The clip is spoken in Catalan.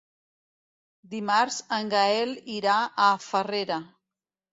Dimarts en Gaël irà a Farrera.